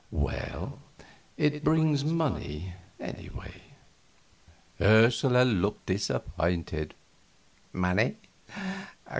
"Well, it brings money, anyway." Ursula looked disappointed. "Money?